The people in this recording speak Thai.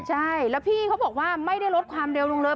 ใช่แล้วพี่เขาบอกว่าไม่ได้ลดความเร็วลงเลย